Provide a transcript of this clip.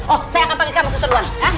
oh saya akan panggil kamu suster luas